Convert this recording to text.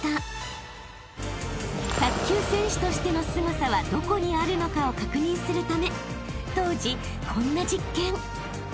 ［卓球選手としてのすごさはどこにあるのかを確認するため当時こんな実験］